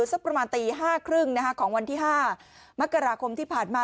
สักประมาณตี๕๓๐ของวันที่๕มกราคมที่ผ่านมา